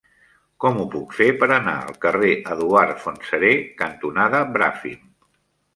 Com ho puc fer per anar al carrer Eduard Fontserè cantonada Bràfim?